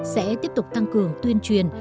sẽ tiếp tục tăng cường tuyên truyền